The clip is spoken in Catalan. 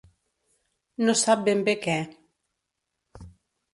No sap ben bé què.